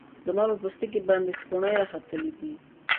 زما په پوستکی باندی سپوڼۍ راختلې دی